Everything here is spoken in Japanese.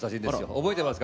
覚えてますか？